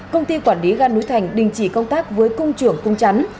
công ty quản lý ga núi thành đình chỉ công tác với cung trưởng cung chắn